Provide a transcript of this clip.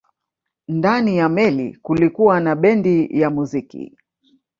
Ndani ya meli kulikuwa na bendi ya muziki